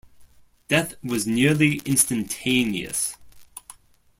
Death was nearly instantaneous.